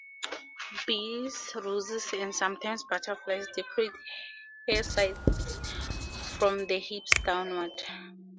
Bees, roses, and sometimes butterflies decorate her sides from the hips downward.